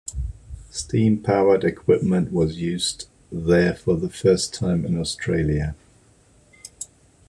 Steam-powered equipment was used there for the first time in Australia.